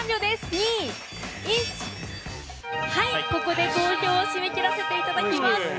ここで投票を締め切らせていただきます。